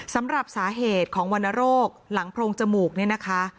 สำหรับสาเหตุของวรรณโรคหลังโพรงจมูกเนี่ยนะคะ